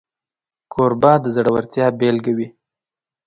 کوربه د زړورتیا بيلګه وي.